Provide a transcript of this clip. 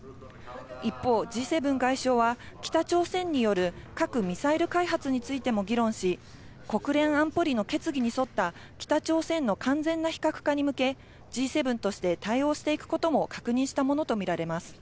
一方、Ｇ７外相は北朝鮮による核・ミサイル開発についても議論し、国連安保理の決議に沿った北朝鮮の完全な非核化に向け、Ｇ７として対応していくことも確認したものとみられます。